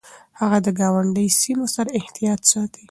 هغه د ګاونډي سيمو سره احتياط ساته.